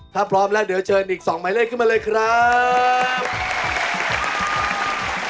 ถ้าพร้อมแล้วเดี๋ยวเชิญอีก๒หมายเลขขึ้นมาเลยครับ